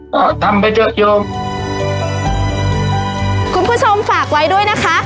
ก็ทำไปเยอะกิโลคุณผู้ชมฝากไว้ด้วยนะคะ